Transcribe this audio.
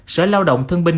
sở lao động thương minh